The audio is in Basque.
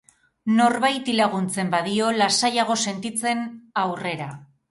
Norbaiti laguntzen badio lasaiago sentitzen, aurrera.